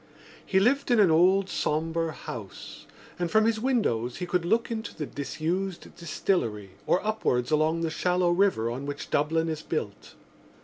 He lived in an old sombre house and from his windows he could look into the disused distillery or upwards along the shallow river on which Dublin is built.